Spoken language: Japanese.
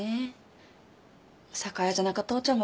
酒屋じゃなか父ちゃん